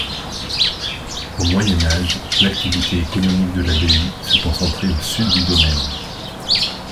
Au Moyen Âge, l'activité économique de l'abbaye se concentrait au sud du domaine.